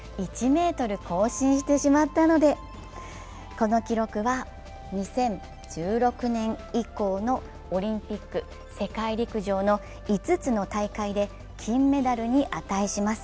この記録は２０１６年以降のオリンピック、世界陸上の５つの大会で、金メダルに値します。